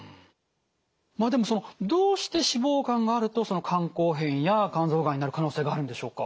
まあでもそのどうして脂肪肝があると肝硬変や肝臓がんになる可能性があるんでしょうか。